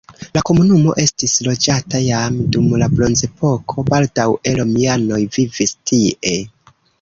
La komunumo estis loĝata jam dum la bronzepoko, baldaŭe romianoj vivis tie.